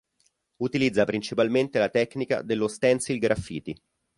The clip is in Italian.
Utilizza principalmente la tecnica dello stencil graffiti.